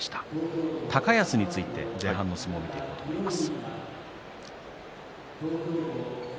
高安について前半の相撲を見ていきます。